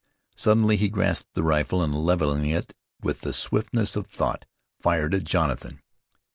Suddenly he grasped the rifle, and, leveling it with the swiftness of thought, fired at Jonathan.